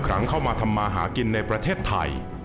ครั้งเข้ามาทำมาหากินในประเทศไทย